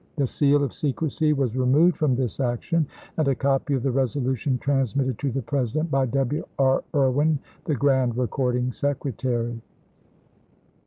The seal of secrecy was removed from this action and a copy of the resolution transmitted to the President by W. R. Erwin, the Grand Recording Secretary.